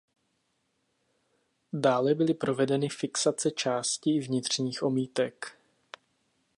Dále byly provedeny fixace části vnitřních omítek.